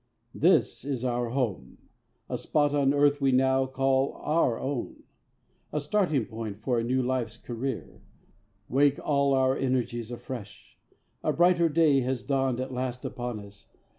"This is our home! A spot on earth we now can call our own; A starting point for a new life's career. Wake all our energies afresh! A brighter day Has dawned at last upon us.